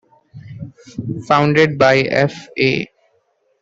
Founded by F. A.